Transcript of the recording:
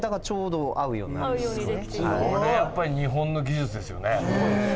これやっぱり日本の技術ですよね。